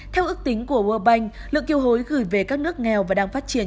theo ước tính của world bank lượng kiều hối gửi về các nước nghèo và đang phát triển